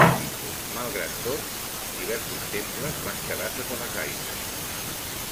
Malgrat tot, diversos temples van quedar sota les aigües.